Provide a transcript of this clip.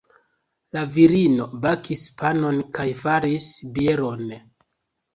La virino bakis panon kaj faris bieron.